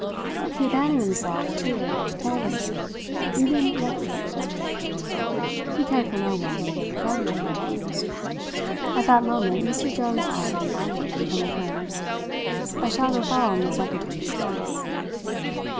He abandoned himself to it carelessly, even recklessly. He cared for no one, friend or enemy. At that moment Mr. Jones called him by name from within. A shadow fell on the secretary's face.